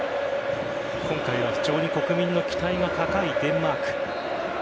今回は非常に国民の期待が高いデンマーク。